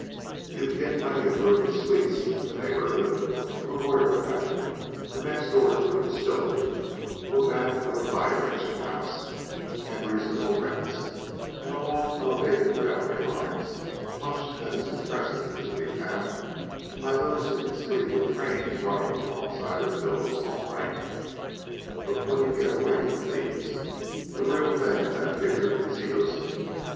You can get plenty of roomy suites in the neighborhood of a boiler factory, or next door to a distillery, or back of a fire engine house, at reasonable rents, and along the elevated railway lines much that is impressive is to be found by those who can sleep with trains running alongside of their pillows all night; but when you get away from these, the real thing at that figure is elusive.